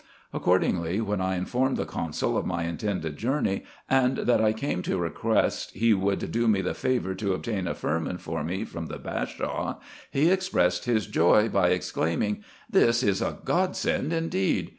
Accordingly, when 1 informed the consul of my intended journey, and that 1 came to request he would do me the favour to obtain a firman for me from the Bashaw, he expressed his joy by exclaiming, " This is a godsend indeed